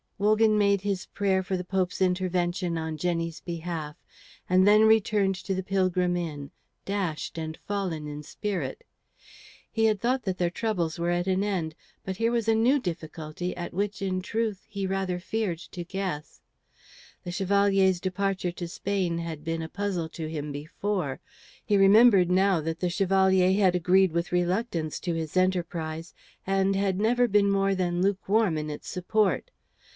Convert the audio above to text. Wogan made his prayer for the Pope's intervention on Jenny's behalf and then returned to the Pilgrim Inn, dashed and fallen in spirit. He had thought that their troubles were at an end, but here was a new difficulty at which in truth he rather feared to guess. The Chevalier's departure to Spain had been a puzzle to him before; he remembered now that the Chevalier had agreed with reluctance to his enterprise, and had never been more than lukewarm in its support.